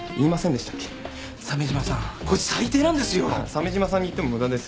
鮫島さんに言っても無駄ですよ。